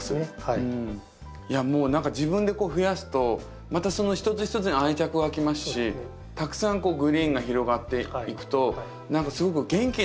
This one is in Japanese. いやもう自分で増やすとまたその一つ一つに愛着わきますしたくさんグリーンが広がっていくと何かすごく元気になりますね。